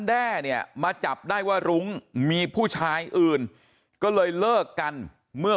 แด้เนี่ยมาจับได้ว่ารุ้งมีผู้ชายอื่นก็เลยเลิกกันเมื่อ